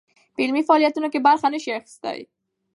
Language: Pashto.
په علمي فعاليتونو کې برخه نه شي اخىستى